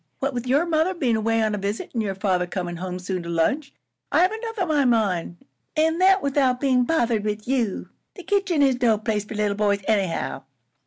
"What with your mother bein' away on a visit, an' your father comin' home soon to lunch, I have enough on my mind and that without bein' bothered with you. The kitchen is no place for little boys, anyhow.